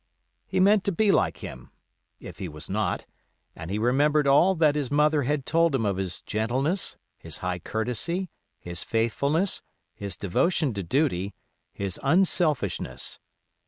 He meant to be like him, if he was not, and he remembered all that his mother had told him of his gentleness, his high courtesy, his faithfulness, his devotion to duty, his unselfishness.